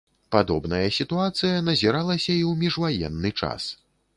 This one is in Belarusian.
Падобная сітуацыя назіралася і ў міжваенны час.